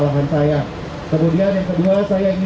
untuk sisi auga